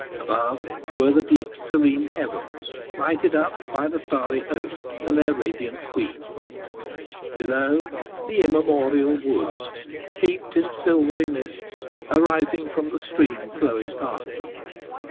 Above, were the deep serene heavens, lighted up by the starry host and their radiant queen below, the immemorial woods, steeped in silvery mists arising from the stream flowing past them.